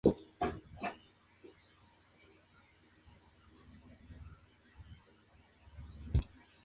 Dentro de su bibliografía, se encuentra hacia el final de su producción.